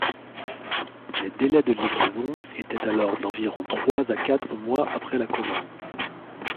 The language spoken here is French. Les délais de livraison étaient alors d'environ trois à quatre mois après la commande.